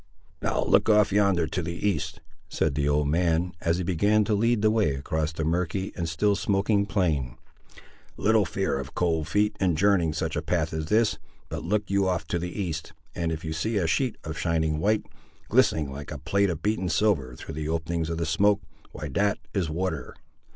"Now look off yonder to the East," said the old man, as he began to lead the way across the murky and still smoking plain; "little fear of cold feet in journeying such a path as this: but look you off to the East, and if you see a sheet of shining white, glistening like a plate of beaten silver through the openings of the smoke, why that is water.